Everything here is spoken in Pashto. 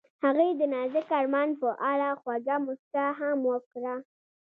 هغې د نازک آرمان په اړه خوږه موسکا هم وکړه.